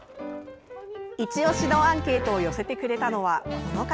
いちオシのアンケートを寄せてくれたのは、この方。